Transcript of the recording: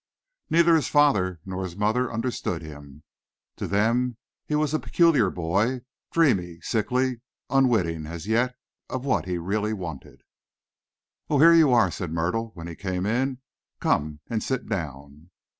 Neither his father nor his mother understood him. To them he was a peculiar boy, dreamy, sickly, unwitting, as yet, of what he really wanted. "Oh, here you are!" said Myrtle, when he came in. "Come and sit down."